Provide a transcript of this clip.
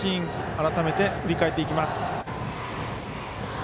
改めて、振り返っていきます。